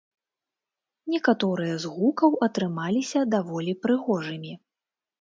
Некаторыя з гукаў атрымаліся даволі прыгожымі.